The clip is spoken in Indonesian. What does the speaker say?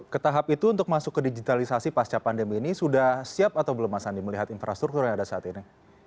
ke tahap itu untuk masuk ke digitalisasi pasca pandemi ini sudah siap atau belum mas andi melihat infrastruktur yang ada saat ini